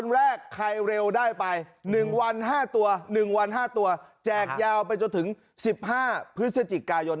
แรกใครเร็วได้ไป๑วัน๕ตัว๑วัน๕ตัวแจกยาวไปจนถึง๑๕พฤศจิกายน